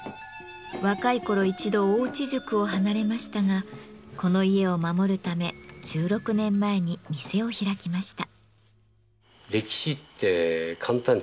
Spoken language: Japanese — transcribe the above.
若い頃一度大内宿を離れましたがこの家を守るため１６年前に店を開きました。